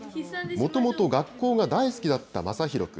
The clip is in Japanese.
もともと学校が大好きだったまさひろ君。